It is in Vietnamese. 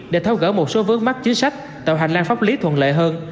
để tháo gỡ một số vướng mắt chính sách tạo hành lang pháp lý thuận lợi hơn